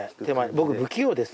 僕不器用です。